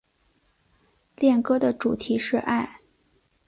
恋歌的主题是爱。